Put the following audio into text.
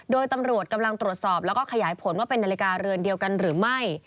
โดยตำรวจกำลังตรวจสอบแล้วก็ขยายผลว่าเป็นนาฬิกาเรือนเดียวกันหรือไม่